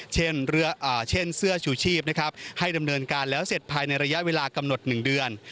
เช่นเสื้อชูชีพนะครับให้ดำเนินการแล้วเสร็จภายในระยะเวลากำหนด๑เดือน